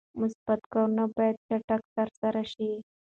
مثبت کارونه باید چټک ترسره شي.